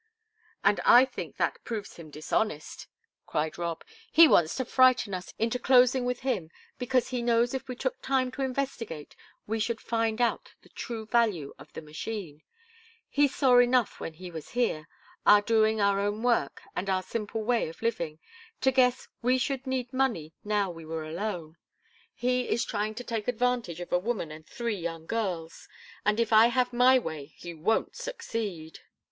"And I think that proves him dishonest," cried Rob. "He wants to frighten us into closing with him, because he knows if we took time to investigate, we should find out the true value of the machine. He saw enough when he was here our doing our own work, and our simple way of living to guess we should need money now we were alone. He is trying to take advantage of a woman and three young girls, and if I have my way, he won't succeed!